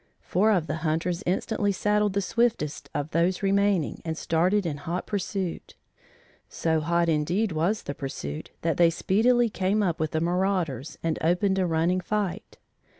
Four of the hunters instantly saddled the swiftest of those remaining and started in hot pursuit. So hot indeed was the pursuit that they speedily came up with the marauders and opened a running fight.